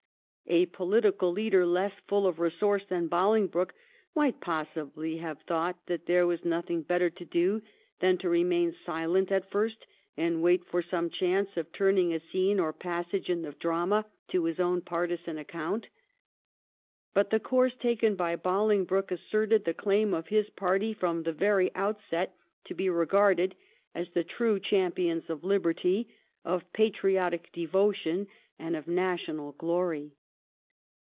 A political leader less full of resource than Bolingbroke might possibly have thought that there was nothing better to do than to remain silent at first and wait for some chance of turning a scene or a passage in the drama to his own partisan account. But the course taken by Bolingbroke asserted the claim of his party from the very outset to be regarded 286 THE REIGN OF QUEEN ANNE. ch. xxxit. as the true champions of liberty, of patriotic devotion, and of national glory.